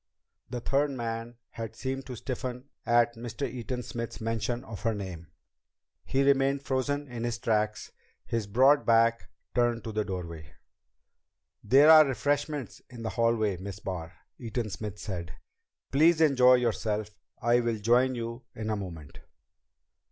The third man had seemed to stiffen at Mr. Eaton Smith's mention of her name. He remained frozen in his tracks, his broad back turned to the doorway. [Illustration: The men were talking in low whispers] "There are refreshments in the hallway, Miss Barr," Eaton Smith said. "Please enjoy yourself. I will join you in a moment."